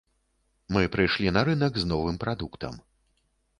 Мы прыйшлі на рынак з новым прадуктам.